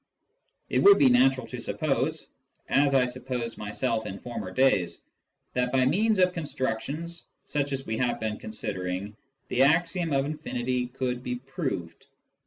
It would be natural to suppose — as I supposed myself in former days — that, by means of constructions such as we have been considering, the axiom of infinity could be proved.